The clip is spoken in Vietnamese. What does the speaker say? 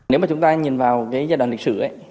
nếu mà chúng ta nhìn vào cái giai đoạn lịch sử ấy